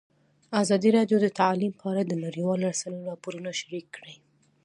ازادي راډیو د تعلیم په اړه د نړیوالو رسنیو راپورونه شریک کړي.